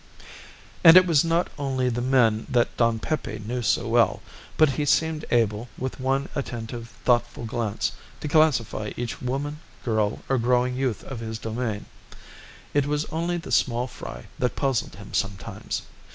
And it was not only the men that Don Pepe knew so well, but he seemed able, with one attentive, thoughtful glance, to classify each woman, girl, or growing youth of his domain. It was only the small fry that puzzled him sometimes.